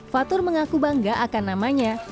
fatur mengaku bangga akan namanya